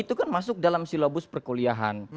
itu kan masuk dalam silabus perkuliahan